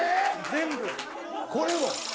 全部これも？